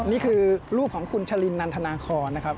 นี่คือลูกของคุณชะลินนันทนาคอนนะครับ